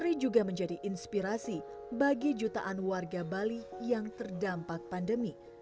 ini juga menjadi inspirasi bagi jutaan warga bali yang terdampak pandemi